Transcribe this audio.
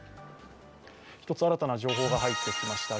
一つ新たな情報が入ってきました。